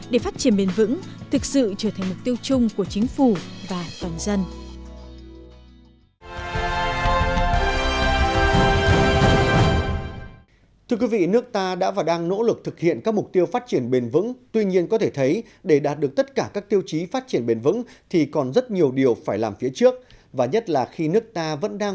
để phát triển bền vững thực sự trở thành mục tiêu chung của chính phủ và toàn dân